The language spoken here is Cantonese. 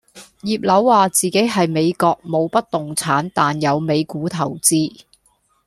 葉劉話自己喺美國冇不動產但有美股投資